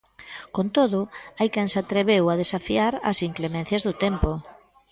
Con todo, hai quen se atreveu a desafiar as inclemencias do tempo.